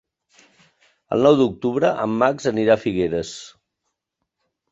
El nou d'octubre en Max anirà a Figueres.